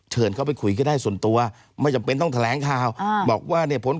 เชิญเขาไปคุยก็ได้ส่วนตัว